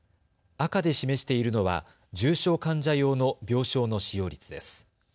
赤で示しているのは重症患者用の病床の使用率です。